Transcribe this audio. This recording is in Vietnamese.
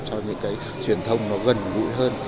cho những cái truyền thông nó gần gũi hơn